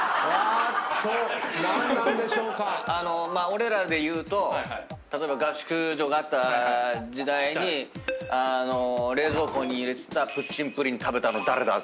あの俺らでいうと例えば合宿所があった時代に冷蔵庫に入れてたプッチンプリン食べたの誰だ